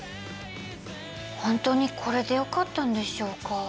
本当にこれでよかったんでしょうか。